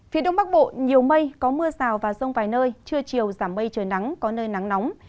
phía đông bắc bộ nhiều mây có mưa rào và rông vài nơi trưa chiều giảm mây trời nắng có nơi nắng nóng